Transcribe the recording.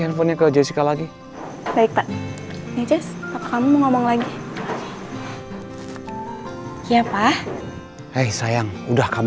handphonenya ke jessica lagi baik pak ini just kamu ngomong lagi ya pak eh sayang udah kamu